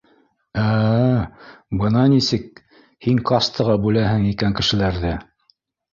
— Ә-ә, бына нисек, һин кастаға бүләһең икән кешеләрҙе